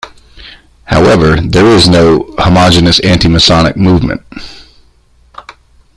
However, there is no homogeneous anti-Masonic movement.